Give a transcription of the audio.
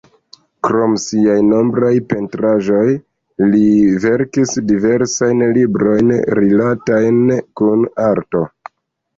Krom siaj nombraj pentraĵoj, li verkis diversajn librojn rilatajn kun arto.